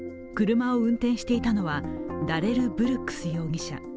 車を運転していたのはダレル・ブルックス容疑者。